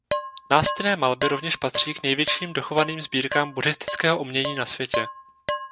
Nástěnné malby rovněž patří k největším dochovaným sbírkám buddhistického umění na světě.